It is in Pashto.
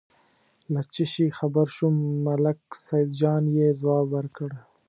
له څه شي خبر شوم، ملک سیدجان یې ځواب ورکړ.